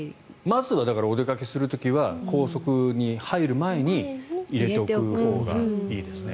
まずはお出かけする時は高速に入る前に入れておくほうがいいですね。